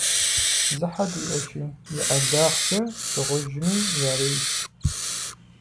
Зы хьэ диӀэщи, и ӀэлагъкӀэ дыгъужьми ярейщ.